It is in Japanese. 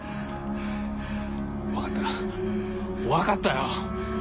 分かった分かったよ。